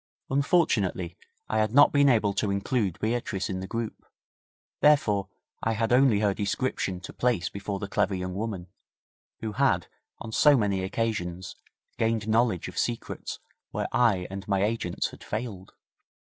Unfortunately, I had not been able to include Beatrice in the group, therefore I had only her description to place before the clever young woman, who had, on so many occasions, gained knowledge of secrets where I and my agents had failed.